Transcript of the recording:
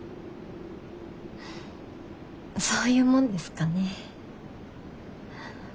そういうもんですかね。